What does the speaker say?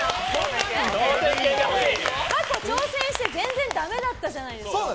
過去挑戦して全然ダメだったじゃないですか。